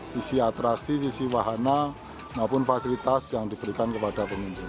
sisi atraksi sisi wahana maupun fasilitas yang diberikan kepada pengunjung